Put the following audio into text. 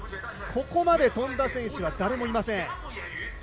ここまで跳んだ選手は誰もいません。